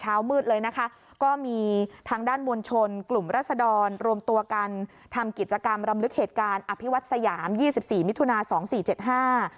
เช้ามืดเลยนะคะก็มีทางด้านมวลชนกลุ่มรัศดรรวมตัวกันทำกิจกรรมรำลึกเหตุการณ์อภิวัตสยามยี่สิบสี่มิถุนาสองสี่เจ็ดห้า